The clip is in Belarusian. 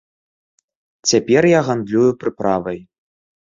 Цяпер я гандлюю прыправай.